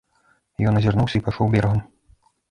Ён азірнуўся і пайшоў берагам.